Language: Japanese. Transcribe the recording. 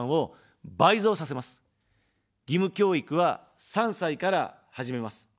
義務教育は３歳から始めます。